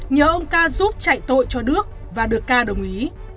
nhờ ông ca giúp chạy tội cho đước và được ca đồng ý